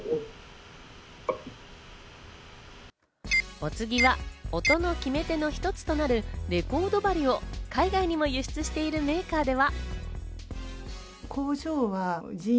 お次は、音の決め手の一つとなるレコード針を海外にも輸出しているメーカーでは。